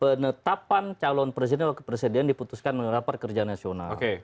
penetapan calon presiden atau kepresiden diputuskan melalui rapat kerja nasional